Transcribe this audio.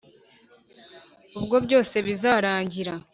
ubwo byose bizarangira